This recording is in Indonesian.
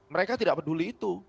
mereka tidak peduli itu